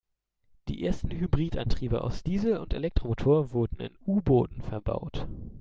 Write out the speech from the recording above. Die ersten Hybridantriebe aus Diesel- und Elektromotor wurden in U-Booten verbaut.